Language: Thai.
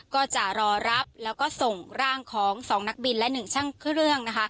ก็จะรอรับแล้วก็ส่งร่างของ๒นักบินและ๑ช่างเครื่องนะคะ